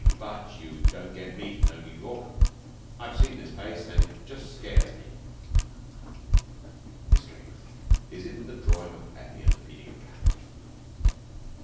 But you don't get me to no New York, I've seen this place an' it just scares me,' His strength is in the drawing of hay and the feeding of cattle.